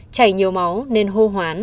chảy nhiều máu nên hô hoán